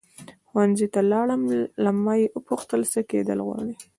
ښوونځي ته لاړم له ما یې وپوښتل څه کېدل غواړې.